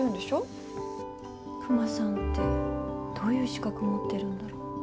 クマさんってどういう資格持ってるんだろ？